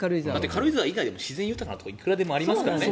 軽井沢以外でも自然豊かなところはいくらでもありますからね。